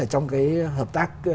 trong cái hợp tác